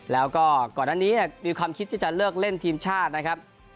แล้วก็ก่อนอันนี้มีความคิดที่จะเลิกเล่นทีมชาตินะครับ